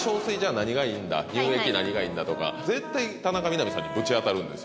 何がいいんだとか絶対田中みな実さんにぶち当たるんですよ